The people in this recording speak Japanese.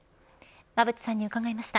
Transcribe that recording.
馬渕さんに伺いました。